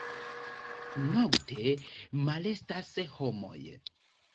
Nokte malestas homoj.